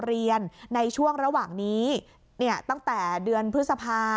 เรียนในช่วงระหว่างนี้ตั้งแต่เดือนพฤษภา